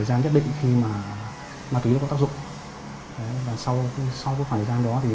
các cả người ngồi dưới